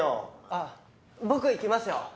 あっ僕行きますよ。